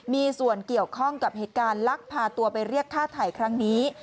มีส่วนเกี่ยวข้องกับเหตุการณ์ลักพาตัวไปเรียกฆ่าไถ่ครั้งนี้